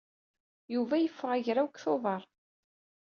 Yuba yeffeɣ agraw deg Tubeṛ.